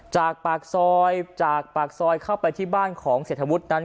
จากปากซอยจากปากซอยเข้าไปที่บ้านของเศรษฐวุฒินั้น